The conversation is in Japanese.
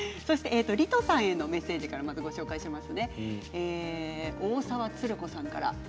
リトさんのメッセージからご紹介します。